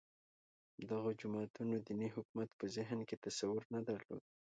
دغو جماعتونو دیني حکومت په ذهن کې تصور نه درلود